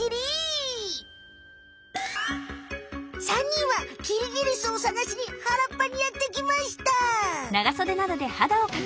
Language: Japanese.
３にんはキリギリスをさがしにはらっぱにやってきました。